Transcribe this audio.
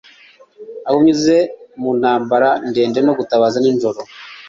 Aho unyuze mu ntambara ndende no gutabaza nijoro